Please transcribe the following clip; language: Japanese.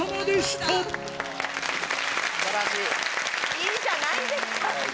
いいじゃないですか。